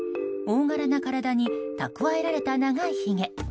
大柄な体に蓄えられた長いひげ。